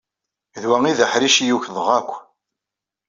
D wa ay d aḥric ay ukḍeɣ akk.